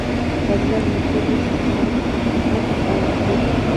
بزګر مجبور و چې د مالک په ځمکه کار وکړي.